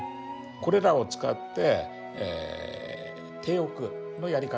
これらを使って手浴のやり方